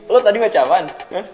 lo tadi baca apaan